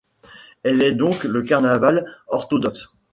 Elle est donc le Carnaval orthodoxe.